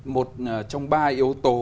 một trong ba yếu tố